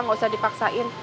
gak usah dipaksain